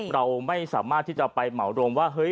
เราไม่สามารถที่จะไปเหมาโรงว่า